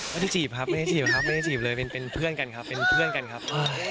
ไม่ได้จีบครับไม่ได้จีบเลยเป็นเพื่อนกันครับ